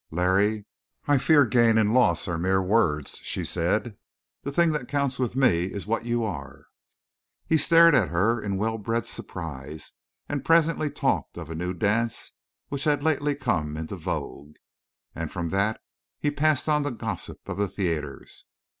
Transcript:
"Larry, I fear gain and loss are mere words," she said. "The thing that counts with me is what you are." He stared in well bred surprise, and presently talked of a new dance which had lately come into vogue. And from that he passed on to gossip of the theatres.